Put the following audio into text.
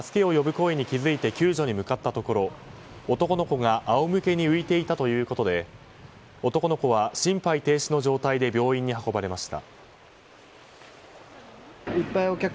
声に気付いて救助に向かったところ男の子が仰向けに浮いていたということで男の子は心肺停止の状態で病院に運ばれました。